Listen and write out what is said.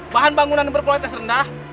bahan bangunan berkualitas rendah